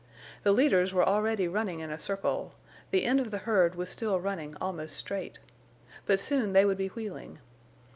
The leaders were already running in a circle; the end of the herd was still running almost straight. But soon they would be wheeling.